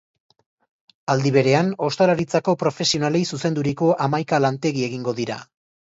Aldi berean, ostalaritzako profesionalei zuzenduriko hamaika lantegi egingo dira.